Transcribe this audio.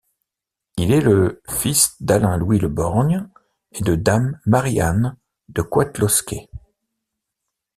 Il est le fils d'Alain-Louis Le Borgne et de dame Marie-Anne de Coëtlosquet.